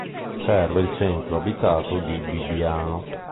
Serve il centro abitato di Bibbiano.